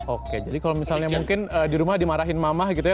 oke jadi kalau misalnya mungkin di rumah dimarahin mamah gitu ya